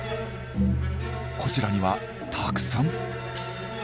こちらにはたくさん。